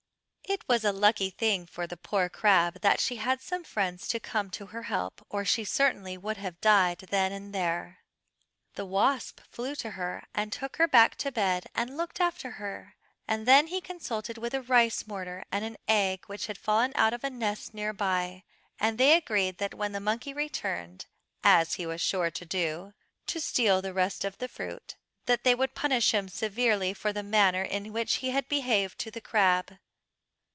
It was a lucky thing for the poor crab that she had some friends to come to her help or she certainly would have died then and there. The wasp flew to her, and took her back to bed and looked after her, and then he consulted with a rice mortar and an egg which had fallen out of a nest near by, and they agreed that when the monkey returned, as he was sure to do, to steal the rest of the fruit, that they would punish him severely for the manner in which he had behaved to the crab.